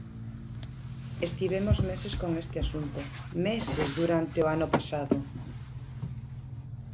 Estivemos meses con este asunto, ¡meses durante o ano pasado!